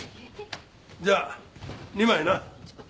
じゃあ２枚な。